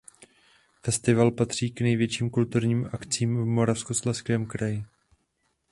Festival patří k největším kulturním akcím v Moravskoslezském kraji.